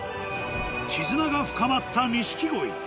絆が深まった錦鯉